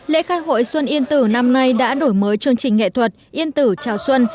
lễ khai hội xuân yên tử năm nay đã đổi mới chương trình nghệ thuật yên tử chào xuân